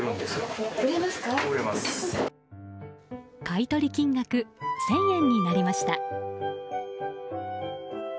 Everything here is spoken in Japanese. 買い取り金額１０００円になりました。